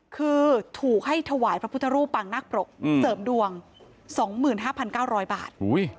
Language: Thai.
คือถูกให้ถวายพระพุทธรูปปางนาคปรกเสริมดวง๒๕๙๐๐บาท